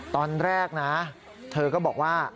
ตอนแรกนะเธอก็บอกว่า